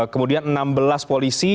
kemudian enam belas polisi